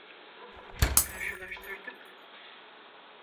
Karşılaştırdık.